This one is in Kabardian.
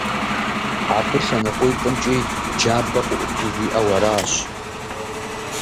Абы лъэныкъуитӀымкӀи джабэ къыӀуту жиӀэу аращ.